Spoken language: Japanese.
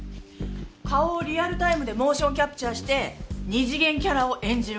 顔をリアルタイムでモーションキャプチャして二次元キャラを演じるわけ。